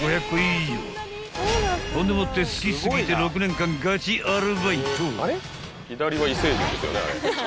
［ほんでもって好き過ぎて６年間ガチアルバイト］